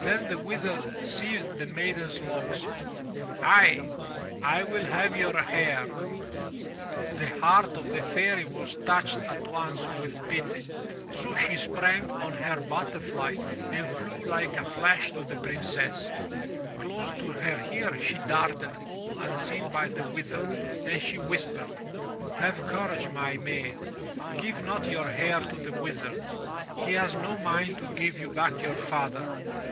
Then the Wizard seized the maiden's locks. ''Aye! I will have your hair," he snarled. The heart of the Fairy was touched at once with pity, so she sprang on her butterfly and flew Uke a flash to the Princess. Close to her ear she darted, all unseen by the Wizard, and she whispered: Have courage, my maid. Give not your hair to the Wizard. He has no mind to give you back your father.